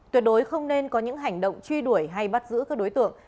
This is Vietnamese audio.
tuyệt đối không nên có những hành động truy đuổi hay bắt giữ các đối tượng